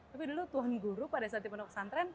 tapi dulu tuhan guru pada saat di pondok pesantren